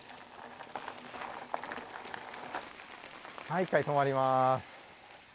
はい１回止まります。